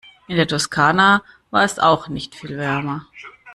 In der Toskana war es auch nicht viel wärmer.